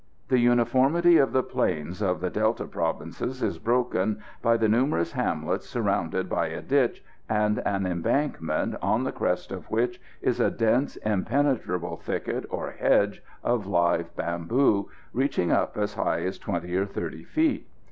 The uniformity of the plains of the Delta provinces is broken by the numerous hamlets surrounded by a ditch and an embankment, on the crest of which is a dense, impenetrable thicket or hedge of live bamboo, reaching up as high as 20 or 30 feet.